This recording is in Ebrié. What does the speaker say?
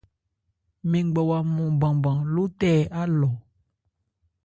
Mɛn ngbawa mɔn banban, lótɛ á lɔ.